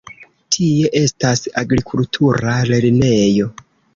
Tie estas agrikultura lernejo.